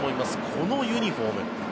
このユニホーム。